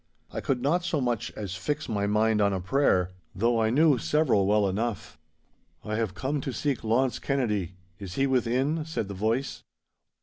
I could not so much as fix my mind on a prayer, though I knew several well enough. 'I have come to seek Launce Kennedy. Is he within?' said the voice.